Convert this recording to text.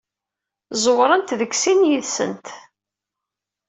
Ẓewrent deg sin yid-sent.